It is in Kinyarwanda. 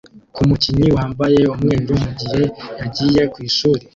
kumukinnyi wambaye umweru mugihe yagiye kwishura